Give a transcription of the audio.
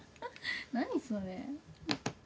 何それ。